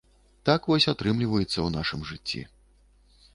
Так вось атрымліваецца ў нашым жыцці.